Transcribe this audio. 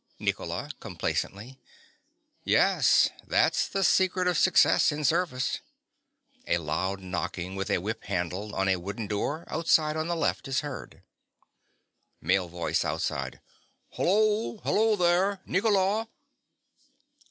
NICOLA. (complacently). Yes: that's the secret of success in service. (A loud knocking with a whip handle on a wooden door, outside on the left, is heard.) MALE VOICE OUTSIDE. Hollo! Hollo there! Nicola!